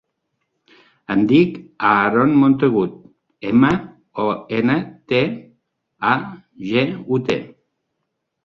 Em dic Aaron Montagut: ema, o, ena, te, a, ge, u, te.